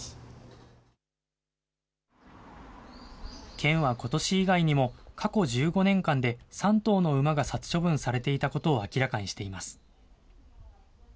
県はことし以外にも、過去１５年間で３頭の馬が殺処分されていたことを明らかにしています。